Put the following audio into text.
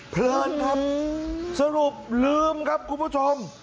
เพลินครับสรุปลืมครับคุณผู้ชม